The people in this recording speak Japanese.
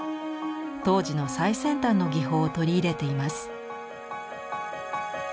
当時の最先端の技法を取り入れています。